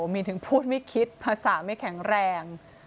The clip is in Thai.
มีถึงพูดไม่คิดภาษาไม่แข็งแรง